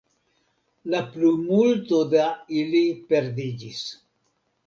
La plimulto da ili perdiĝis.